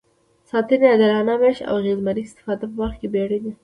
ساتنې، عادلانه وېش او اغېزمنې استفادې په برخه کې بیړني.